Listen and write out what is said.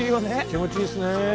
気持ちいいっすね。